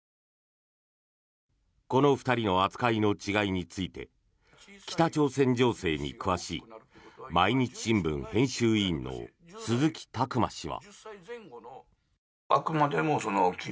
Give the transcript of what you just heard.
この２人の扱いの違いについて北朝鮮情勢に詳しい毎日新聞編集委員の鈴木琢磨氏は。